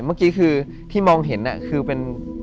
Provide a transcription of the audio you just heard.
เมื่อกี้คือที่มองเห็นคือเป็น